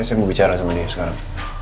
saya mau bicara sama dia sekarang